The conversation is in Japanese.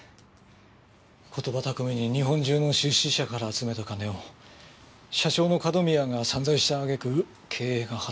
言葉巧みに日本中の出資者から集めた金を社長の角宮が散財した揚げ句経営が破綻。